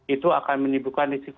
itu akan menimbulkan risiko